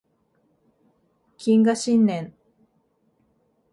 謹賀新年